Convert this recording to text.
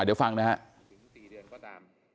เดี๋ยวฟังนะฮะ